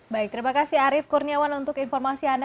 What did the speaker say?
baik terima kasih arief kurniawan untuk informasi anda